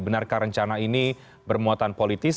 benarkah rencana ini bermuatan politis